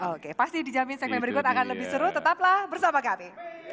oke pasti dijamin segmen berikut akan lebih seru tetaplah bersama kami